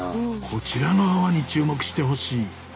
こちらの泡に注目してほしい。